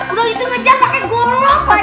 udah itu ngejar pake golok pakde